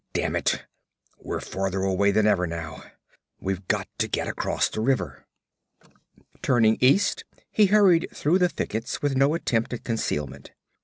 Damn it, we're farther away than ever, now. We've got to get across the river.' Turning east he hurried through the thickets with no attempt at concealment.